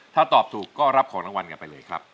ถ้าตอบถูกก็รับของรางวัลกันไปเลยครับ